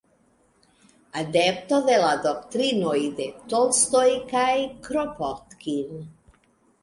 Adepto de la doktrinoj de Tolstoj kaj Kropotkin.